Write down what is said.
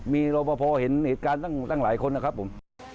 มีรอปภเห็นเหตุการณ์ตั้งหลายคนนะครับผม